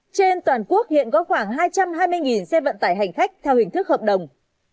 trên toàn quốc hiện có khoảng hai trăm hai mươi xe vận tải hành khách theo hình thức hợp đồng